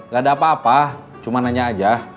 gak ada apa apa cuma nanya aja